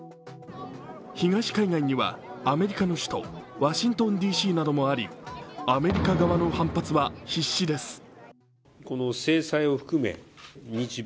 東海岸にはアメリカの首都ワシントンＤＣなどもあり、アメリカ側の反発は必至です。